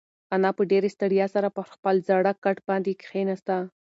انا په ډېرې ستړیا سره پر خپل زاړه کټ باندې کښېناسته.